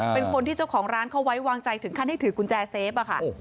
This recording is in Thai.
เป็นคนที่เจ้าของร้านเขาไว้วางใจถึงขั้นให้ถือกุญแจเซฟอะค่ะ